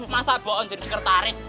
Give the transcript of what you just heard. masa bok on jadi sekretaris